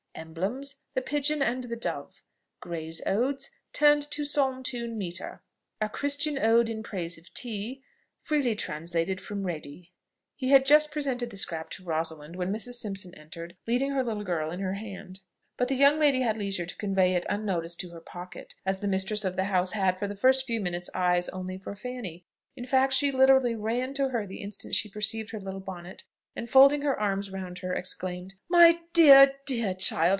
Emblems the pigeon and the dove. Gray's Odes, turned to psalm tune metre. A Christian ode in praise of tea, Freely translated from Redi." He had just presented the scrap to Rosalind when Mrs. Simpson entered, leading her little girl in her hand; but the young lady had leisure to convey it unnoticed to her pocket, as the mistress of the house had for the first few minutes eyes only for Fanny. In fact, she literally ran to her the instant she perceived her little bonnet, and, folding her arms round her, exclaimed "My dear, dear child!